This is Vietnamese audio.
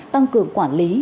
tăng cường quản lý